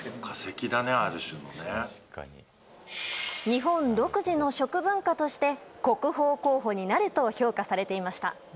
日本独自の食文化として国宝候補になると評価されていました。